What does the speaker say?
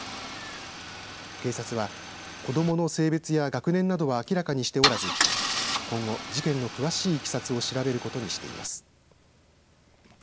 警察は、子どもの性別や学年などは明らかにしておらず今後、事件の詳しいいきさつを調べることにしています。